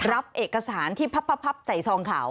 รับเอกสารที่พับใส่ซองขาว